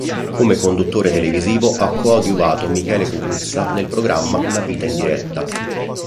Come conduttore televisivo ha coadiuvato Michele Cucuzza nel programma "La vita in diretta".